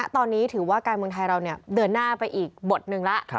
ตอนนี้ถือว่าการเมืองไทยเราเดินหน้าไปอีกบทหนึ่งแล้ว